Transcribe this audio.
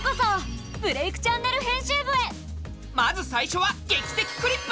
まず最初は「劇的クリップ」！